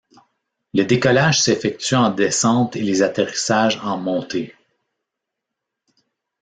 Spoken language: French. Les décollages s'effectuent en descente et les atterrissages en montée.